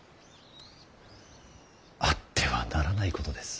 あってはならないことです。